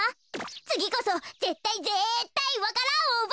つぎこそぜったいぜったいわか蘭をうばう！